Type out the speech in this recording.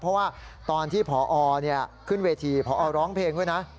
เพราะว่าตอนที่พอขึ้นเวทีพอร้องเพลงด้วยนะ